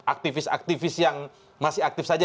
aktivis aktivis yang masih aktif saja